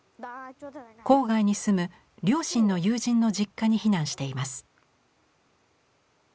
郊外に住む両親の友人の実家に避難しています。